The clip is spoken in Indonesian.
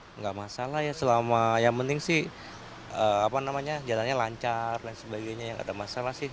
tidak masalah ya selama yang penting sih jalanannya lancar dan sebagainya tidak ada masalah sih